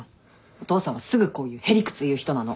お父さんはすぐこういうへ理屈言う人なの。